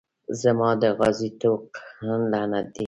زما د غاړې طوق لعنت دی.